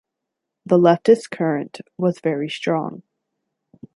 The leftist current was very strong.